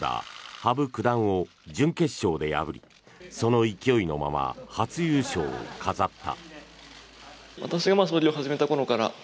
羽生九段を準決勝で破りその勢いのまま初優勝を飾った。